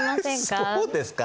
そうですか？